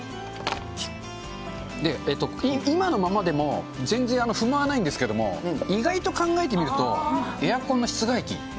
えっと、今のままでも全然不満はないんですけれども、意外と考えてみると、エアコンの室外機。